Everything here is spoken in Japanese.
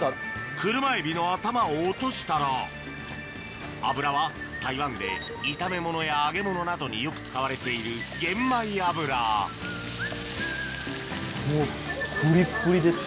クルマエビの頭を落としたら油は台湾で炒め物や揚げ物などによく使われている玄米油もう。